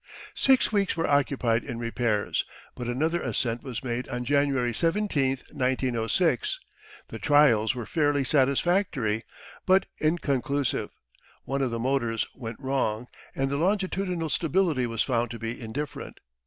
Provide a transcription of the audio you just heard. Six weeks were occupied in repairs, but another ascent was made on January 17th, 1906. The trials were fairly satisfactory, but inconclusive. One of the motors went wrong, and the longitudinal stability was found to be indifferent.